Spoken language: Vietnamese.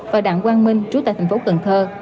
và đảng quang minh trú tại thành phố cần thơ